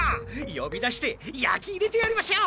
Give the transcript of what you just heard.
呼び出してヤキ入れてやりましょう！